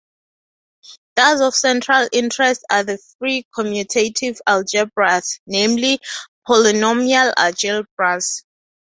Thus of central interest are the free commutative algebras, namely the polynomial algebras.